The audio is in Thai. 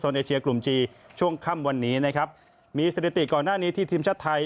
เอเชียกลุ่มจีช่วงค่ำวันนี้นะครับมีสถิติก่อนหน้านี้ที่ทีมชาติไทย